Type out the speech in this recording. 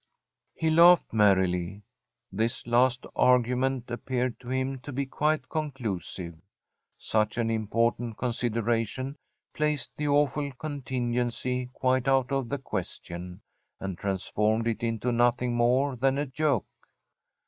He laughed merrily. This last argument appeared to him to be quite conclusive. Such an important consideration placed the awful contingency quite out of the question, and transformed it into nothing more than a joke.